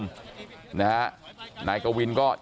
แต่ว่าวินนิสัยดุเสียงดังอะไรเป็นเรื่องปกติอยู่แล้วครับ